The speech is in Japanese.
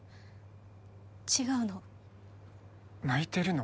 違うの泣いてるの？